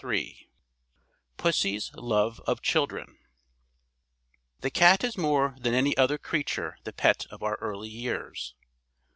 _] PUSSY'S LOVE OF CHILDREN. The cat is more than any other creature the pet of our early years.